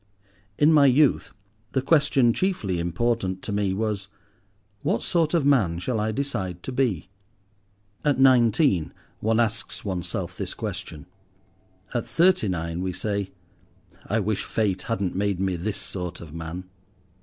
In my youth, the question chiefly important to me was—What sort of man shall I decide to be? At nineteen one asks oneself this question; at thirty nine we say, "I wish Fate hadn't made me this sort of man."